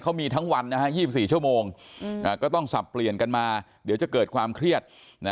เขามีทั้งวัน๒๔ชั่วโมงก็ต้องสับเปลี่ยนกันมาเดี๋ยวจะเกิดความเครียด